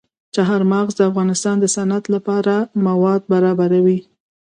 چار مغز د افغانستان د صنعت لپاره مواد برابروي.